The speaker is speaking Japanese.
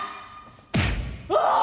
「ああ！」。